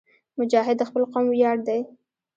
مجاهد د خپل قوم ویاړ دی.